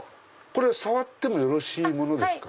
触ってもよろしいものですか？